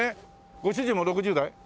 ご主人も６０代？